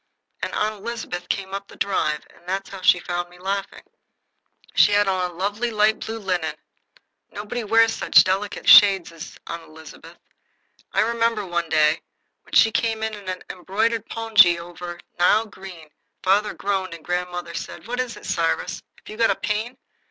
And Aunt Elizabeth came up the drive, and that is how she found me laughing. She had on a lovely light blue linen. Nobody wears such delicate shades as Aunt Elizabeth. I remember, one day, when she came in an embroidered pongee over Nile green, father groaned, and grandmother said: "What is it, Cyrus? Have you got a pain?"